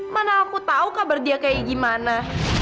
mana aku tahu kabar dia kayak gimana